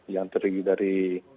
yang terdiri dari